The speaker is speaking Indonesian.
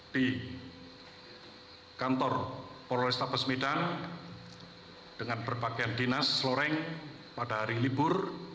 di kantor polrestabes medan dengan berpakaian dinas loreng pada hari libur